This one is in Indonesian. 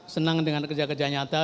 senang dengan kerja kerja nyata